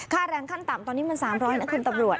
แรงขั้นต่ำตอนนี้มัน๓๐๐นะคุณตำรวจ